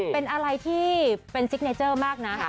เป็นอะไรที่เป็นซิกเนเจอร์มากนะ